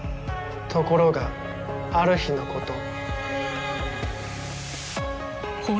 ところがある日のこと。